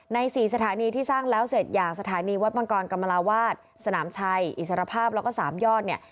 ๔สถานีที่สร้างแล้วเสร็จอย่างสถานีวัดมังกรกรรมราวาสสนามชัยอิสรภาพแล้วก็สามยอดเนี่ย